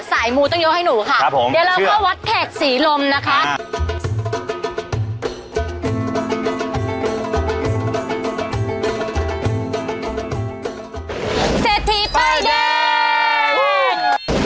เสร็จที่ป้ายแดน